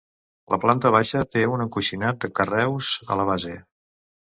La planta baixa té un encoixinat de carreus a la base.